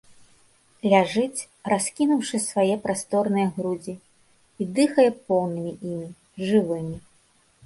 Ляжыць, раскінуўшы свае прасторныя грудзі, і дыхае поўнымі імі, жывымі.